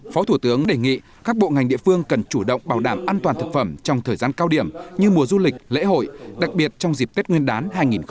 phó thủ tướng đề nghị các bộ ngành địa phương cần chủ động bảo đảm an toàn thực phẩm trong thời gian cao điểm như mùa du lịch lễ hội đặc biệt trong dịp tết nguyên đán hai nghìn hai mươi